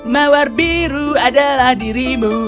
mawar biru adalah dirimu